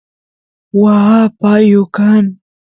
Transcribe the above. waa payu kan